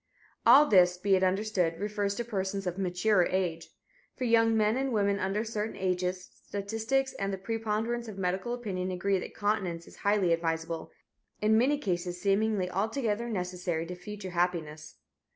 All this, be it understood, refers to persons of mature age. For young men and women under certain ages, statistics and the preponderance of medical opinion agree that continence is highly advisable, in many cases seemingly altogether necessary to future happiness.